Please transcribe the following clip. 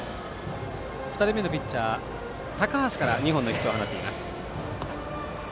２人目のピッチャー、高橋から２本のヒットを放っています。